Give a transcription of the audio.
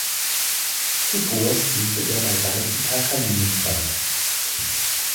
Zuvor spielte er bei Baltika Kaliningrad.